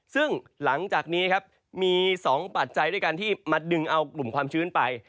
ซึ่งหลังจากนี้ครับมี๒ปัจจัยด้วยกันที่มาดึงเอากลุ่มความชื้นไป